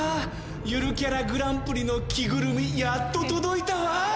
ゆるキャラグランプリの着ぐるみやっと届いたわ！